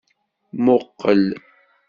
Muqel.